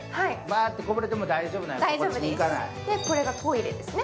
これがトイレですね。